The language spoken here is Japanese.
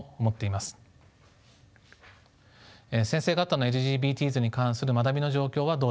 先生方のＬＧＢＴｓに関する学びの状況はどうでしょうか。